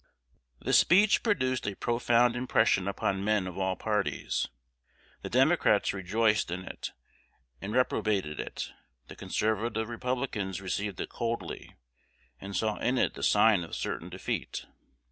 The speech produced a profound impression upon men of all parties: the Democrats rejoiced in it, and reprobated it; the conservative Republicans received it coldly, and saw in it the sign of certain defeat.